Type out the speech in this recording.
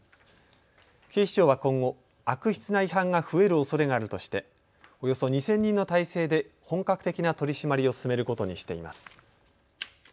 警視庁は今後、悪質な違反が増えるおそれがあるとしておよそ２０００人の態勢で本格的な取締りを進めることにしています。